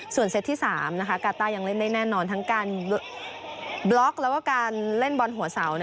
ส่วนเซตที่๓กาต้ายังเล่นได้แน่นอนทั้งการบล็อกแล้วก็การเล่นบอลหัวเสา